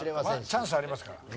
チャンスありますから。